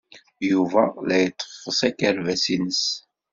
Yuba la iḍeffes akerbas-nnes.